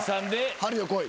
『春よ、来い』